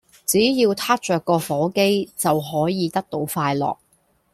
只要撻著個火機就可以得到快樂